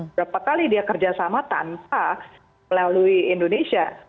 berapa kali dia kerja sama tanpa melalui indonesia